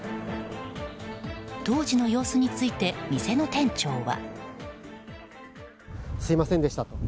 当時の様子について店の店長は。